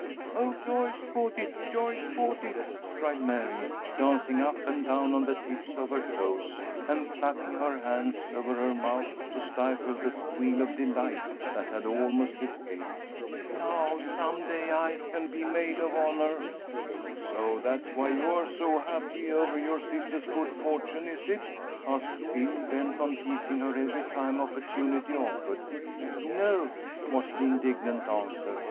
"Oh, Joyce caught it! Joyce caught it!" cried Mary, dancing up and down on the tips of her toes, and clapping her hands over her mouth to stifle the squeal of delight that had almost escaped. "Now, some day I can be maid of honor." "So that's why you are so happy over your sister's good fortune, is it?" asked Phil, bent on teasing her every time opportunity offered. "No," was the indignant answer.